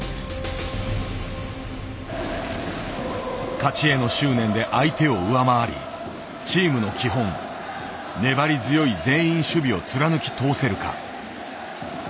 勝ちへの執念で相手を上回りチームの基本粘り強い全員守備を貫き通せるか。